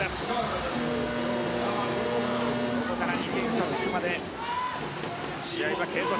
ここから２点差がつくまで試合は継続。